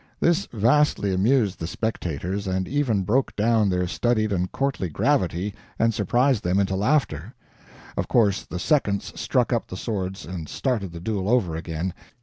This vastly amused the spectators, and even broke down their studied and courtly gravity and surprised them into laughter. Of course the seconds struck up the swords and started the duel over again.